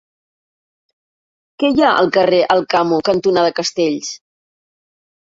Què hi ha al carrer Alcamo cantonada Castells?